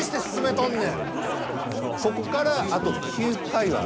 ここからあと９回は。